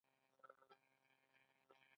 جامع مسجد چیرته دی؟